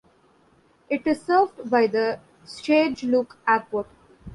It is served by the Shageluk Airport.